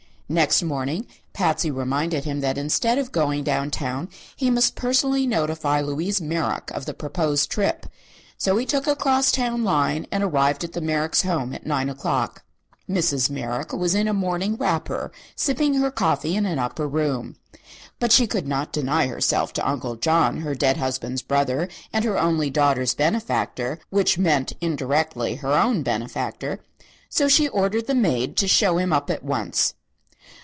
Next morning Patsy reminded him that instead of going down town he must personally notify Louise Merrick of the proposed trip; so he took a cross town line and arrived at the Merrick's home at nine o'clock. Mrs. Merrick was in a morning wrapper, sipping her coffee in an upper room. But she could not deny herself to Uncle John, her dead husband's brother and her only daughter's benefactor (which meant indirectly her own benefactor), so she ordered the maid to show him up at once.